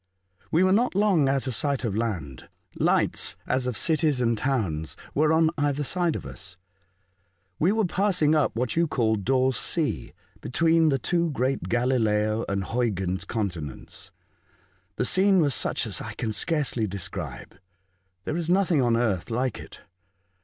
We were not long out of sight of land. Lights, as of cities and towns, were on either side of us. We were passing up what you call Dawes Sea, between the two great Galileo and Hiiyghens' continents. The scene was such as I can scarcely describe. There is nothing on earth like it.